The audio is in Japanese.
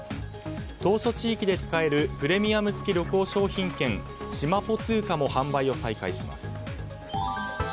島しょ地域で使えるプレミアム付き旅行商品券しまぽ通貨も販売を再開します。